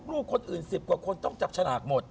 ลูกคนอื่น๑๐กว่าคนต้องจับฉลากหมด